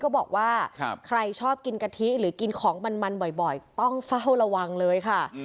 บอกว่าใครชอบกินกะทิหรือกินของมันบ่อยต้องเฝ้าระวังเลยค่ะ